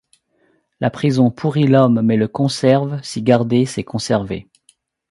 La prison pourrit l’homme, mais le conserve, si garder c’est conserver.